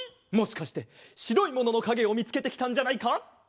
もしかしてしろいもののかげをみつけてきたんじゃないか？